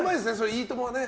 「いいとも！」でね。